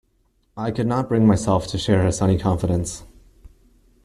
I could not bring myself to share his sunny confidence.